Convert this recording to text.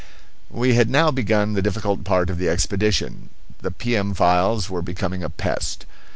We had now begun the difficult part of the expedition. The pium flies were becoming a pest.